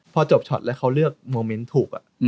พอจบช็อตแล้วเขาเลือกโมเมนต์ถูก